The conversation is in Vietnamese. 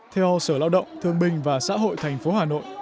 theo sở lao động thương bình và xã hội tp hà nội